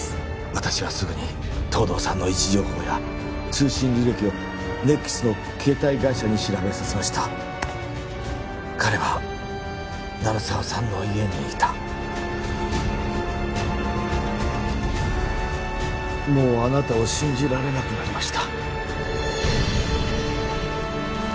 私はすぐに東堂さんの位置情報や通信履歴を ＮＥＸ の携帯会社に調べさせました彼は鳴沢さんの家にいたもうあなたを信じられなくなりました